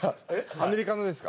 アメリカのですか？